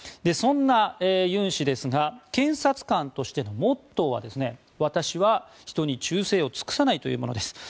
そんなユン氏ですが検察官としてのモットーは私は人に忠誠を尽くさないというものです。